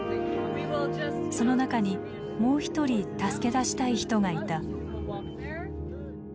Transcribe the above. その中にもう一人助け出したい人がいた。